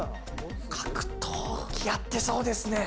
格闘技やってそうですね。